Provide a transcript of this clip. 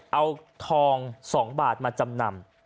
เอาทอง๒บาทมาจำนำ